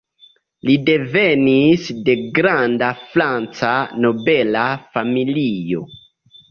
Li devenis de granda franca nobela familio.